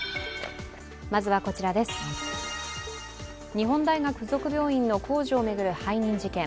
日本大学附属病院の工事を巡る背任事件。